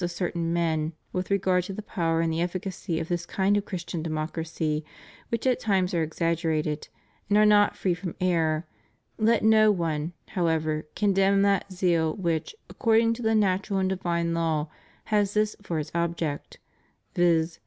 485 of certain men, with regard to the power and the efficacy of this kind of Christian Democracy, which at times are exaggerated and are not free from error, let no one, how •^ver, condemn that zeal which, according to the natural \nd divine law, has this for its object, viz.